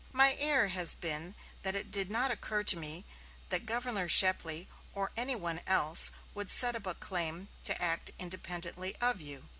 My error has been that it did not occur to me that Governor Shepley or any one else would set up a claim to act independently of you....